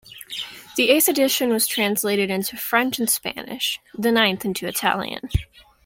The eighth edition was translated into French and Spanish, the ninth into Italian.